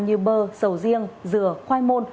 như bơ sầu riêng dừa khoai môn